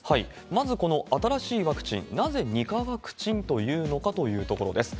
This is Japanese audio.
まずこの新しいワクチン、なぜ２価ワクチンというのかというところです。